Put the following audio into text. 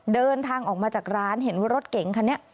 เดินทางออกมาจากร้านเห็นว่ารถเก๋งคันนี้